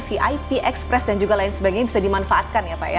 vip express dan juga lain sebagainya bisa dimanfaatkan ya pak ya